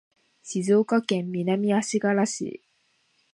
静岡県南足柄市